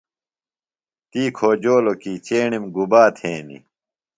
تی کھوجولو کی چیݨِم گُبا تھینی ۔